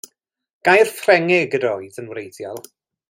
Gair Ffrengig ydoedd yn wreiddiol.